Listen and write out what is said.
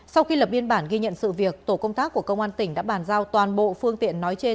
sau khi lập biên bản ghi nhận sự việc tổ công tác của công an tỉnh đã bàn giao toàn bộ phương tiện nói trên